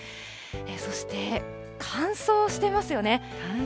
そして乾燥してますよね。